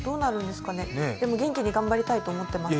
でも元気に頑張りたいと思ってます。